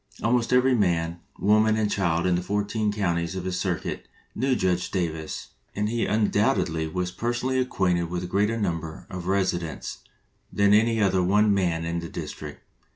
Almost every man, woman, and child in the fourteen counties of his circuit knew Judge 181 LINCOLN THE LAWYER Davis, and he undoubtedly was personally acquainted with a greater number of the resi dents than any other one man in the district.